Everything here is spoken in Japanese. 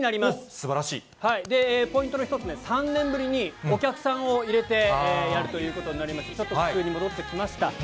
ポイントの１つ目、３年ぶりにお客さんを入れてやるということになりまして、ちょっと普通に戻ってきました。